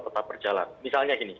tetap berjalan misalnya gini